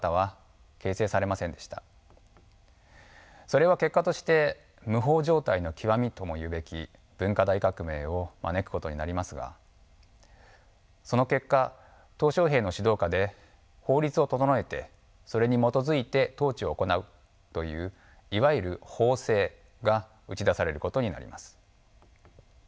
それは結果として無法状態の極みとも言うべき文化大革命を招くことになりますがその結果小平の指導下で法律を整えてそれに基づいて統治を行うといういわゆる法制が打ち出されることになります。